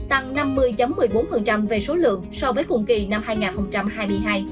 tăng năm mươi một mươi bốn về số lượng so với cùng kỳ năm hai nghìn hai mươi hai